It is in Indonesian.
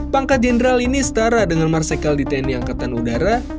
pangkat jenderal ini setara dengan marsikal di tni angkatan udara